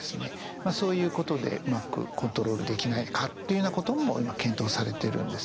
そういうことでうまくコントロールできないかというようなことも今検討されてるんですね。